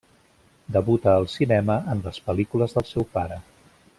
Debuta al cinema en les pel·lícules del seu pare.